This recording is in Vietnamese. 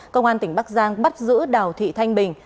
công an tỉnh bắc giang bắt giữ đào thị thanh bình